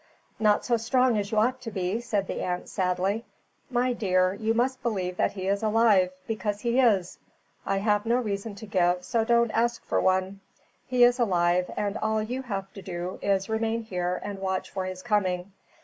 "Not so strong as you ought to be," said the aunt, sadly. "My dear, you must believe that he is alive, because he is. I have no reason to give, so don't ask me for one. He is alive, and all you have to do is to remain here and watch for his coming.